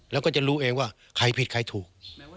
แล้วก็จะรู้เองว่าใครผิดใครถูก